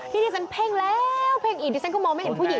ที่ที่ฉันเพ่งแล้วเพ่งอีกที่ฉันก็มองไม่เห็นผู้หญิง